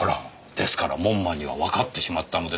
ですから門馬にはわかってしまったのですよ。